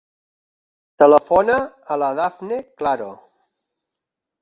Telefona a la Dafne Claro.